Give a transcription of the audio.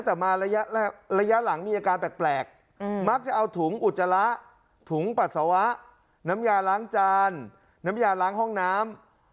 แต่มาระยะหลังมีอาการแปลกมักจะเอาถุงอุจจาระถุงปัสสาวะน้ำยาล้างจานน้ำยาล้างห้องน้ำ